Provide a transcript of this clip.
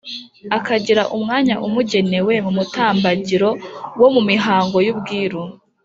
akagira umwanya umugenewe mu mutambagiro wo mu mihango y'ubwiru